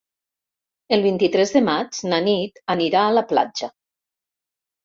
El vint-i-tres de maig na Nit anirà a la platja.